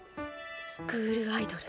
スクールアイドル。